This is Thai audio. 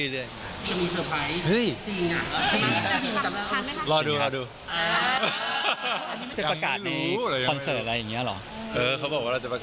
เล่นดีครีดเอาด้วย